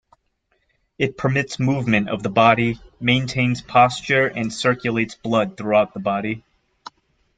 It permits movement of the body, maintains posture, and circulates blood throughout the body.